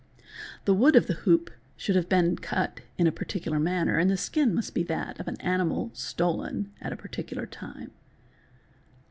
The wood of the hoop should have been cut in a particular manner and the skin must be that of an animal stolen at a particular time.